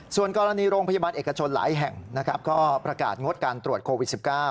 ส่วนกรณีโรงพยาบาลเอกชนหลายแห่งนะครับก็ประกาศงดการตรวจโควิด๑๙